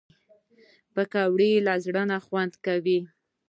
پکورې له زړه نه خوند کوي